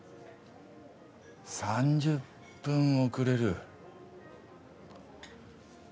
３０分遅れる？